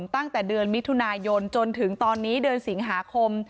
ตั้งแต่เดือนมิถุนายนจนถึงตอนนี้เดือนสิงหาคม